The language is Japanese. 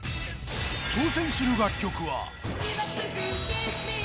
挑戦する楽曲は。